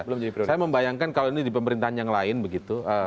saya membayangkan kalau ini di pemerintahan yang lain begitu